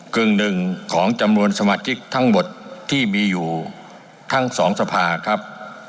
กึ่งหนึ่งของจำนวนสมาชิกทั้งหมดที่มีอยู่ทั้งสองสภาครับ